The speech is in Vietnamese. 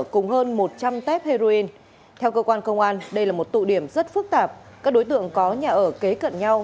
cùng hơn một trăm linh tép heroin theo cơ quan công an đây là một tụ điểm rất phức tạp các đối tượng có nhà ở kế cận nhau